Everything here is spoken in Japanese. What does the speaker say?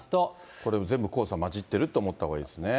これ、全部黄砂交じっていると思ったほうがいいですね。